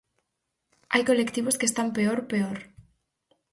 Hai colectivos que están peor, peor.